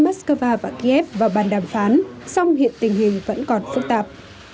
moscow và kiev vào bàn đàm phán song hiện tình hình vẫn còn phức tạp